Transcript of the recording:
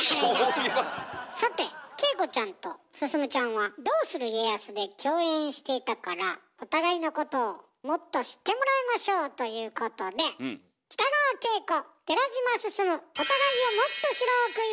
さて景子ちゃんと進ちゃんは「どうする家康」で共演していたからお互いのことをもっと知ってもらいましょうということで北川景子寺島進よっ！